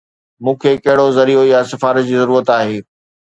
مون کي ڪهڙو ذريعو يا سفارش جي ضرورت آهي؟